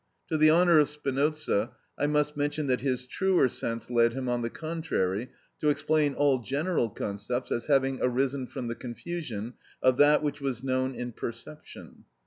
To the honour of Spinoza, I must mention that his truer sense led him, on the contrary, to explain all general concepts as having arisen from the confusion of that which was known in perception (Eth.